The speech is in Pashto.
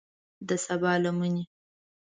د سبا لمنې